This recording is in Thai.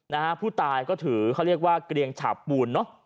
นะฮะผู้ตายก็ถือเขาเรียกว่าเกรียงฉาบปูนเนอะ